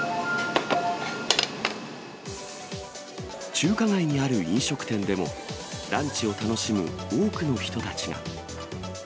中華街にある飲食店でも、ランチを楽しむ多くの人たちが。